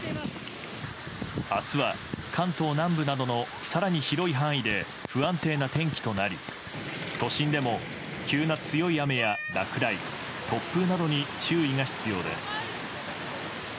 明日は関東南部などの更に広い範囲で不安定な天気となり都心でも急な強い雨や落雷突風などに注意が必要です。